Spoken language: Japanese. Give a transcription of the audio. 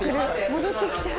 戻ってきちゃう？